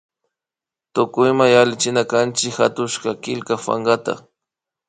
Tukuyma yallichinakanchik hatushka killka pankata